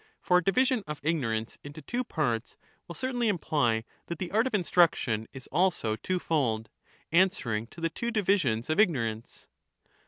For a division of ignorance into two parts ^^JJ*^^" will certainly imply that the art of instruction is also two only be ob fold, answering to the two divisions of ignorance.